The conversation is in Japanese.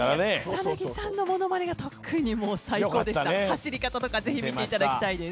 草さんのものまねが特に走り方とかぜひ見ていただきたいです。